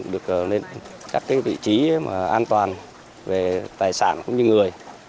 được cắt tích vị trí an toàn về tài sản cũng như người